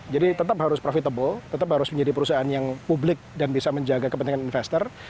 jadi tetap harus profitable tetap harus menjadi perusahaan yang publik dan bisa menjaga kepentingan investor